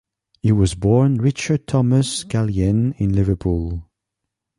He was born Richard Thomas Gallienne in Liverpool.